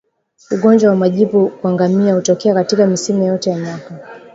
Ugonjwa wa majipu kwa ngamia hutokea katika misimu yote ya mwaka